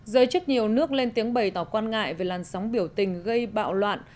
giới chức nhiều nước lên tiếng bày tỏ quan ngại về làn sóng biểu tình gây bạo loạn